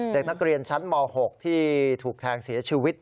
เด็กนักเรียนชั้นม๖ที่ถูกแทงเสียชีวิต